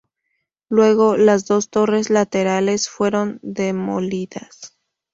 Luego, las dos torres laterales fueron demolidas.